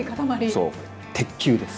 そう鉄球です。